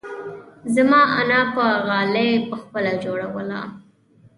زما انا به غالۍ پخپله جوړوله.